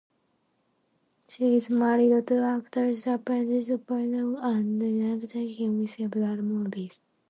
She is married to actor Jonathan Penner and has directed him in several movies.